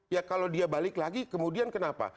ya kalau dia balik lagi kemudian kenapa